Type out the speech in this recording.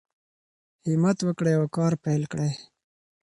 همت وکړئ او کار پیل کړئ.